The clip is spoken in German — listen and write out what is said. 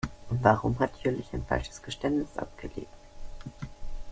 Warum hat Jüllich ein falsches Geständnis abgelegt?